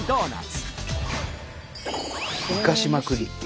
生かしまくり。